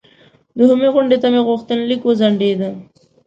دوهمې غونډې ته مې غوښتنلیک وځنډیده.